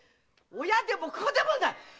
親でも子でもない！